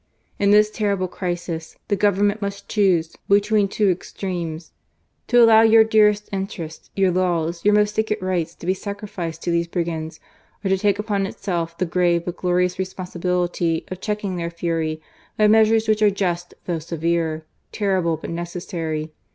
... In this terrible crisis, the Government must choose between two extremes — to allow your dearest interests, your laws, your most sacred rights to be sacrificed to these brigands, or to take upon itself the grave but glorious responsibility of checking their fury by measures which are just though severe, terrible but necessary.